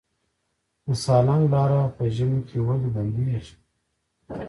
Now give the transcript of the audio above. د سالنګ لاره په ژمي کې ولې بندیږي؟